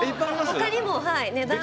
他にもはい値段。